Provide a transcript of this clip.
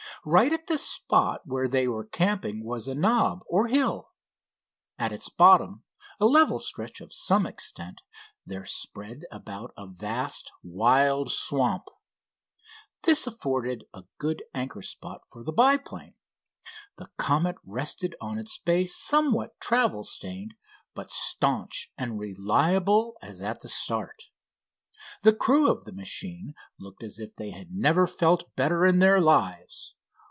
Right at the spot where they were camping was a knob, or hill. At its bottom, a level stretch of some extent, there spread about a vast, wild swamp. This afforded a good anchor spot for the biplane. The Comet rested on its base somewhat travel stained, but staunch and reliable as at the start. The crew of the machine looked as if they had never felt better in their lives.